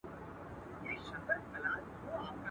چي په رنځ یې دردمن یو ..